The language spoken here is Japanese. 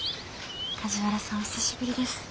梶原さんお久しぶりです。